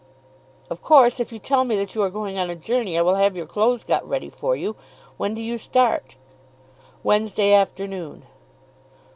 "Of course, if you tell me that you are going on a journey, I will have your clothes got ready for you. When do you start?" "Wednesday afternoon."